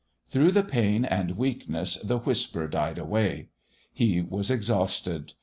Through the pain and weakness the whisper died away. He was exhausted.